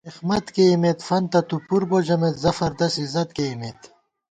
اېخمت کېئیمېت، فنتہ تُو پُر بو ژمېت، زفردس عزت کېئیمېت